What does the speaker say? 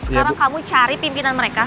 sekarang kamu cari pimpinan